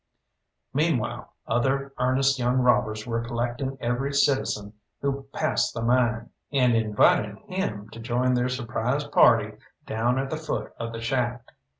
Meanwhile other earnest young robbers were collecting every citizen who passed the mine, and inviting him to join their surprise party down at the foot of the shaft.